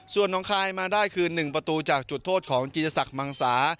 ส่วนน้องคายมาได้คืน๑ประตูจากจุดโทษของจีรศักดิ์มังสา